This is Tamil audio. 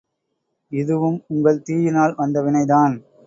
இதுவும் உங்கள் தீயினால் வந்த வினைதான்.